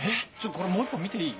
これもう１本見ていい？